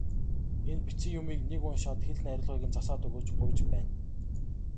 Энэ бичсэн юмыг нэг уншаад хэл найруулгыг нь засаад өгөөч, гуйж байна.